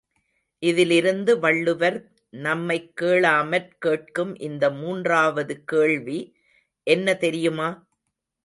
இதிலிருந்து வள்ளுவர் நம்மைக் கேளாமற் கேட்கும் இந்த மூன்றாவது கேள்வி என்ன தெரியுமா?